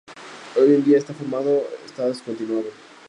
Hoy en día este formato está descontinuado.